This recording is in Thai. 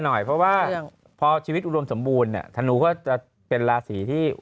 หน่อยเพราะว่าพอชีวิตอุดมสมบูรณ์เนี่ยธนูก็จะเป็นราศีที่